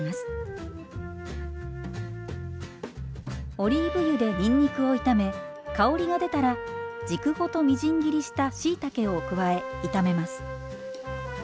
オリーブ油でにんにくを炒め香りが出たら軸ごとみじん切りしたしいたけを加え炒めます。